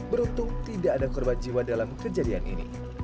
beruntung tidak ada korban jiwa dalam kejadian ini